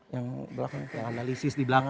yang belakang analisis di belakang